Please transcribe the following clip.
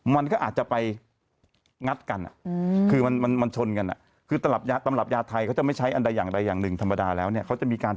มันก็อาจจะไปงัดกันคือมันมันชนกันคือตลับยาตำรับยาไทยเขาจะไม่ใช้อันใดอย่างใดอย่างหนึ่งธรรมดาแล้วเนี่ยเขาจะมีการ